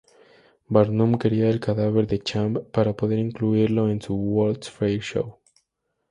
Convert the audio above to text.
Barnum quería el cadáver de Champ para poder incluirlo en su World’s Fair Show.